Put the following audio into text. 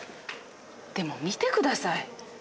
でも見て下さい。